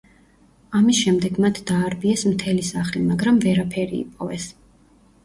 ამის შემდეგ მათ დაარბიეს მთელი სახლი, მაგრამ ვერაფერი იპოვეს.